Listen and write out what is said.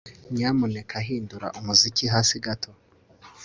Nyamuneka hindura umuziki hasi gato